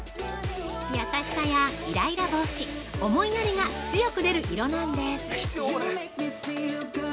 優しさや、イライラ防止思いやりが強く出る色なんです。